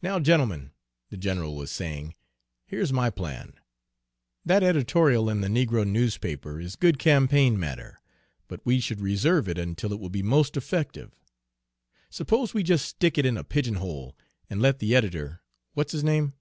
"Now, gentlemen," the general was saying, "here's my plan. That editorial in the negro newspaper is good campaign matter, but we should reserve it until it will be most effective. Suppose we just stick it in a pigeon hole, and let the editor, what's his name?"